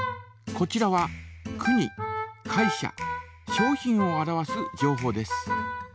こちらは国会社商品を表す情報です。